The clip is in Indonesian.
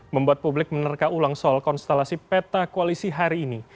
membuat publik menerka ulang soal konstelasi peta koalisi hari ini